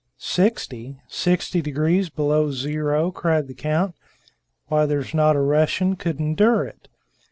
"Sixty! Sixty degrees below zero!" cried the count. "Why, there's not a Russian could endure it!"